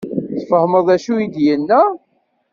Tfehmem d acu i d-yenna?